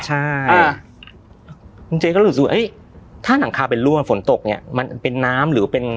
อเจมส์ก็เลยสู้ถ้าหลังคาเป็นรั่วฝนตกมันเป็นน้ำหรือเป็น